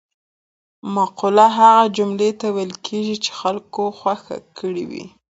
مقوله هغه جملې ته ویل کیږي چې خلکو خوښه کړې وي